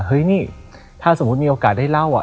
เฮ้ยนี่ถ้าสมมุติมีโอกาสได้เล่าอ่ะ